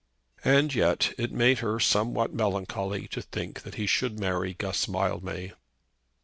And yet it made her somewhat melancholy to think that he should marry Guss Mildmay.